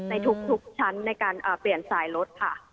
ในทุกชั้นในการเปลี่ยนสายรถค่ะ